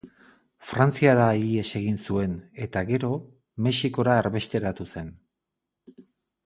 Frantziara ihes egin zuen, eta gero, Mexikora erbesteratu zen.